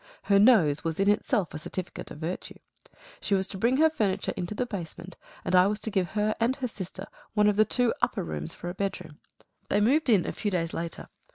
Her nose was in itself a certificate of virtue. She was to bring her furniture into the basement, and I was to give her and her sister one of the two upper rooms for a bedroom. They moved in a few days later.